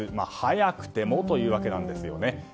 早くてもというわけなんですよね。